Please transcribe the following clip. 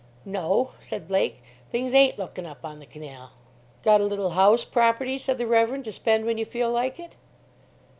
"No," said Blake; "things ain't lookin' up on the canal." "Got a little house property," said the Reverend, "to spend when you feel like it?"